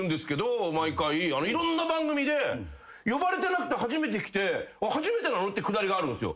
毎回いろんな番組で呼ばれてなくて初めて来て「初めてなの？」ってくだりがあるんすよ。